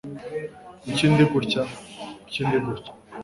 Kuki ndi gutya? Kuki ndi gutya?